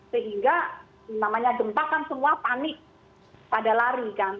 sehingga namanya gempa kan semua panik pada lari kan